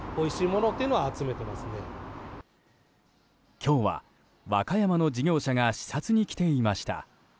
今日は和歌山の事業者が視察に来ていました。